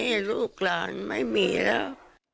นี่ลูกหลานไม่มีแล้ว